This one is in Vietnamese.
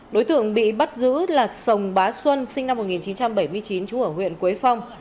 đối tượng bị bắt giữ là sồng bá xuân sinh năm một nghìn chín trăm bảy mươi chín trú ở huyện quế phong